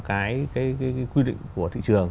cái quy định của thị trường